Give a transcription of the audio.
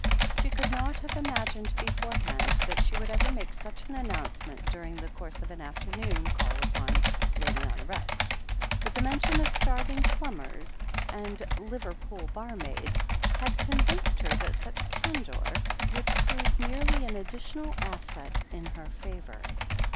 She could not have imagined beforehand that she would ever make such an announcement during the course of an afternoon call upon Lady Honoret, but the mention of starving plumbers and Liverpool bar 223 224 THE HEEL OF ACHILLES maids had convinced her that such candour would prove merely an additional asset in her favour.